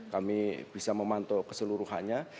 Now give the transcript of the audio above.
kami bisa memantau keseluruhannya